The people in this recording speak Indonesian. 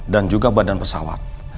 dan juga badan pesawat